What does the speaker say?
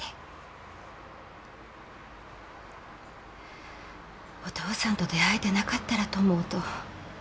お父さんと出会えてなかったらと思うと。